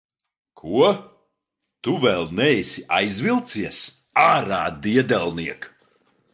Ko? Tu vēl neesi aizvilcies? Ārā, diedelniek!